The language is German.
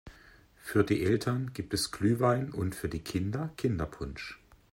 Für die Eltern gibt es Glühwein und für die Kinder Kinderpunsch.